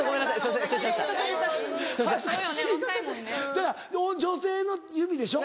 だから女性の指でしょ？